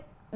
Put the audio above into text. đại học số